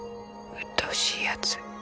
うっとうしい奴。